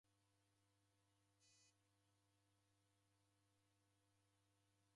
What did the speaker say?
Mkwake wadakanya na aw'o w'ana